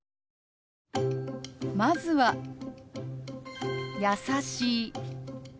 まずは「優しい」。